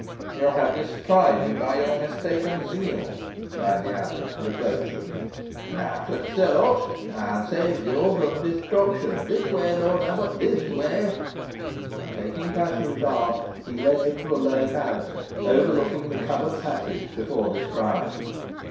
"You have destroyed me by your mistaken zeal," cried the abbot, reproachfully. "Nowt o't sort," replied Hal; "ey'n saved yo' fro' destruction. This way, lort abbut this way." And taking Paslew's arm he led him to a low parapet, overlooking the covered passage before described.